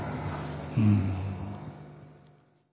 うん。